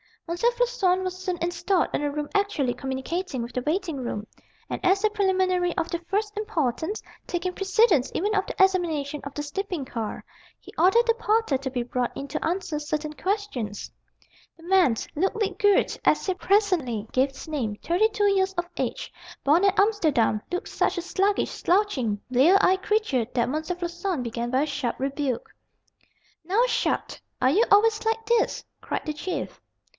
M. Floçon was soon installed in a room actually communicating with the waiting room, and as a preliminary of the first importance, taking precedence even of the examination of the sleeping car, he ordered the porter to be brought in to answer certain questions. The man, Ludwig Groote, as he presently gave his name, thirty two years of age, born at Amsterdam, looked such a sluggish, slouching, blear eyed creature that M. Floçon began by a sharp rebuke. "Now. Sharp! Are you always like this?" cried the Chief.